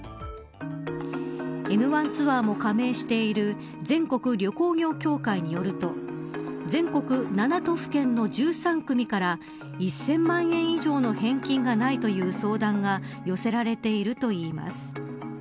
エヌワンツアーも加盟している全国旅行業協会によると全国７都府県の１３組から１０００万以上の返金がないという相談が寄せられているといいます。